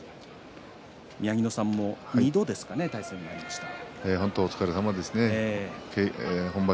宮城野さん２度、対戦がありましたね。